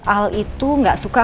al itu gak suka